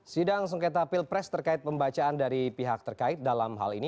sidang sengketa pilpres terkait pembacaan dari pihak terkait dalam hal ini